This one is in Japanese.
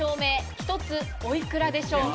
１つおいくらでしょうか？